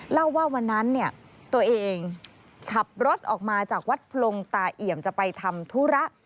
เล่าว่าวันนั้นเนี่ยตัวเองขับรถออกมาจากวัดพลงตาเอี่ยมจะไปทำธุระ